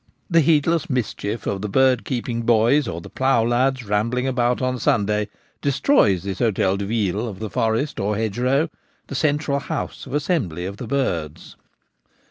The heedless mischief of the bird keeping boys, or the ploughlads rambling about on Sunday, destroys this H6tel de Ville of the forest or hedgerow, the central house of assem bly of the birds.